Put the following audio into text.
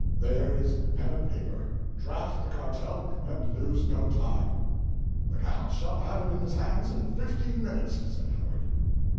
"There is pen and paper. Draft the cartel, and lose no time." "The Count shall have it in his hands in fifteen minutes," said Howard.